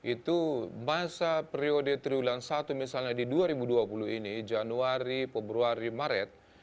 itu masa periode triwulan satu misalnya di dua ribu dua puluh ini januari februari maret